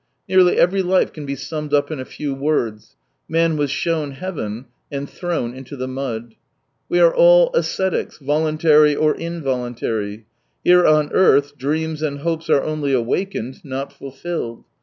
Nearly every life can be summed up in a few words : man was shown heaven — ^and thrown into the mud. We are all ascetics — voluntary or involuntary. Here on earth dreams and hopes are only awakened, not fulfilled.